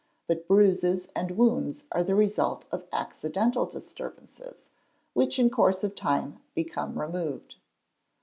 But bruises and wounds are the result of accidental disturbances, which in course of time become removed.